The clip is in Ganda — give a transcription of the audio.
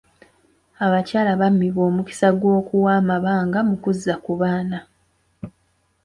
Abakyala bammibwa omukisa gw'okuwa amabanga mu kuzza ku baana.